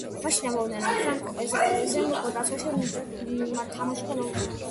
მაშინ ამბობდნენ, რომ ფრანკო ბარეზიმ დაცვაში თამაში ხელოვნებად აქცია.